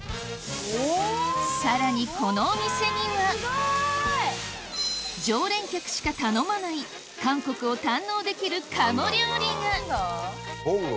さらにこのお店には常連客しか頼まない韓国を堪能できる鴨料理がトングを。